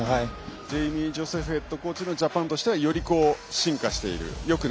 ジェイミー・ジョセフヘッドコーチもジャパンとしてはより進化していると。